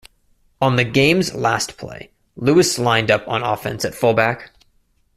On the game's last play, Lewis lined up on offense at fullback.